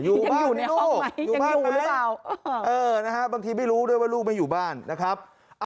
ยังอยู่ในห้องไหมยังอยู่หรือเปล่าเออนะครับบางทีไม่รู้ด้วยว่าลูกไม่อยู่บ้านนะครับ